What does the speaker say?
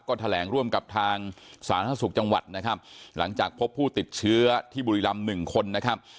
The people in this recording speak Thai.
ก็แถลงร่วมกับทางสาธารณสุขจังหวัดนะครับหลังจากพบผู้ติดเชื้อที่บุรีรำหนึ่งคนนะครับ